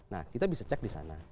nah kita bisa cek di sana